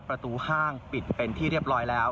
ประตูห้างปิดเป็นที่เรียบร้อยแล้ว